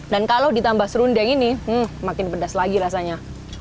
dan kalau ditambah serunding ini makin pedas lagi rasanya